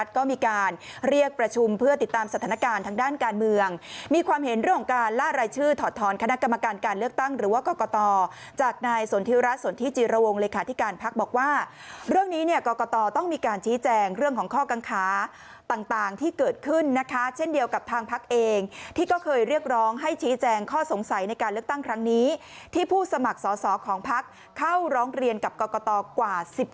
ทีนี้มาดูภาพพลังประชารัฐกันหน่อยนะคะทีนี้มาดูภาพพลังประชารัฐกันหน่อยนะคะ